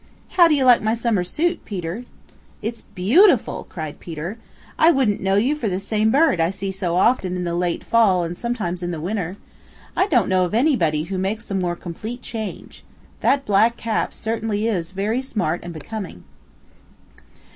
How do you like my summer suit, Peter?" "It's beautiful," cried Peter. "I wouldn't know you for the same bird I see so often in the late fall and sometimes in the winter. I don't know of anybody who makes a more complete change. That black cap certainly is very smart and becoming."